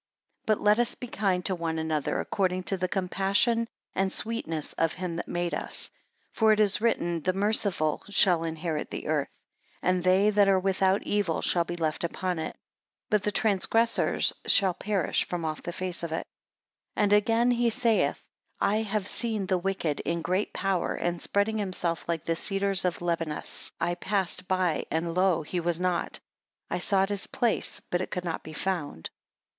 9 But let us be kind to one another, according to the compassion and sweetness of him that made us. 10 For it is written, The merciful shall inherit the earth; and they that are without evil shall be left upon it: but the transgressors shall perish from off the face of it. 11 And again he saith, I have seen the wicked in great power and spreading himself like the cedar of Libanus. I passed by, and lo! he was not; I sought his place, but it could not be found.